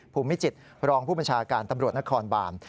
ภูมิจิตรองผู้บัญชาการตำรวจนครบาน